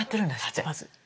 じゃあまずい。